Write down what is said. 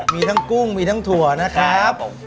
มีทั้งกุ้งมีทั้งถั่วนะครับ